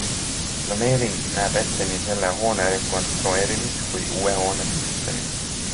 Planeering näeb ette nii selle hoone rekonstrueerimist kui uue hoone püstitamist.